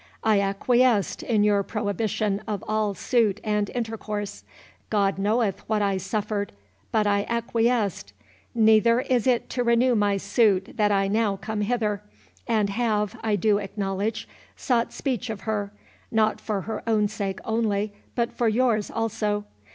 I acquiesced in your prohibition of all suit and intercourse. God knoweth what I suffered—but I acquiesced. Neither is it to renew my suit that I now come hither, and have, I do acknowledge, sought speech of her—not for her own sake only, but for yours also.